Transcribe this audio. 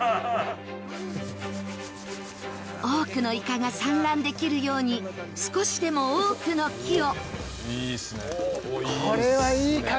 多くのイカが産卵できるように、少しでも多くの木を。